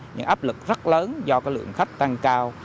những áp lực rất lớn do cái lượng khách tăng cao